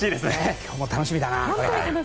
今日も楽しみだな。